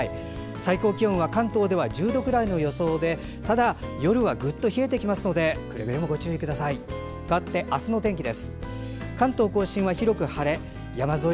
最高気温は関東では１０度くらいの予想でただ夜はぐっと冷えてきますのでくれぐれもご注意ください。